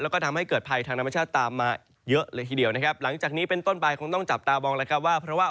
แล้วก็ทำให้เกิดภัยทางน้ำประชาติตามมาเยอะเลยทีเดียวนะครับหลังจากนี้เป็นต้นปลายคงต้องจับตาวองแล้วกับว่า